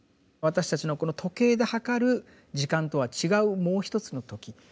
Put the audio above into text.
私たちのこの時計で計る時間とは違うもう一つの「時」。